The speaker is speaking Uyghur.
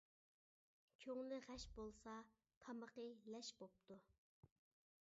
كۆڭلى غەش بولسا، تامىقى لەش بوپتۇ.